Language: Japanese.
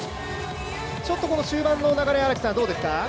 ちょっと終盤の流れ、荒木さんどうですか？